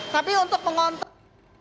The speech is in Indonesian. tapi untuk pengontrol